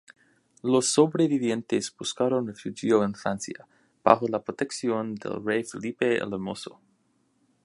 Los sobrevivientes buscaron refugio en Francia, bajo la protección del rey Felipe el Hermoso.